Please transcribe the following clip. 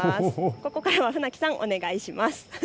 ここからは船木さん、お願いします。